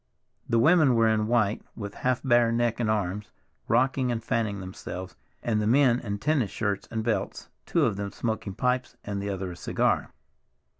The women were in white, with half bare neck and arms, rocking and fanning themselves, and the men in tennis shirts and belts, two of them smoking pipes, and the other a cigar.